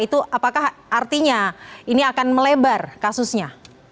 itu apakah artinya ini akan melebar kasusnya